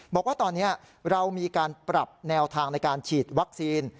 บอกว่าตอนนี้เรามีการปรับแนวทางในการฉีดวัคซีน